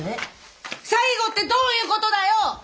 最後ってどういう事だよ！？